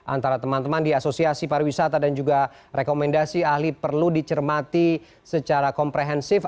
antara teman teman di asosiasi pariwisata dan juga rekomendasi ahli perlu dicermati secara komprehensif